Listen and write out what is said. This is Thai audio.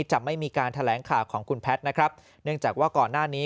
จะไม่มีการแถลงข่าวของคุณแพทย์นะครับเนื่องจากว่าก่อนหน้านี้